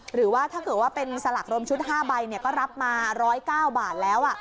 หรือว่าถ้าเกิดว่าเป็นสลากรวมชุด๕ใบก็รับมา๑๐๙บาทแล้ว